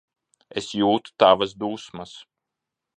Es jūtu tavas dusmas.